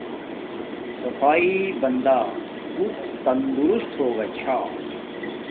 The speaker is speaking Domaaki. صفایݵ بندا گڎ تندرست ہوگا چھا